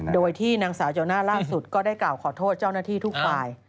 โดยที่นางสาวโจน่าล่าสุดก็ได้กล่าวขอโทษเจ้าหน้าที่ทุกฝ่าย